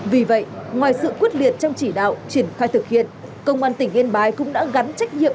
vì vậy ngoài sự quyết liệt trong chỉ đạo triển khai thực hiện công an tỉnh yên bái cũng đã gắn trách nhiệm